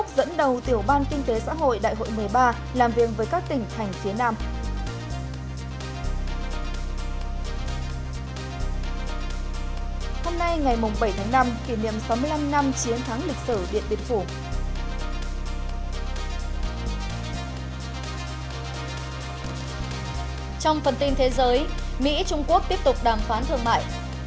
trong phần tin thế giới mỹ trung quốc tiếp tục đàm phán thương mại